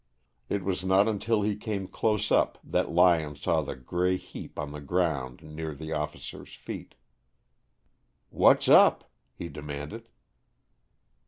It was not until he came close up that Lyon saw the gray heap on the ground near the officer's feet. "What's up?" he demanded.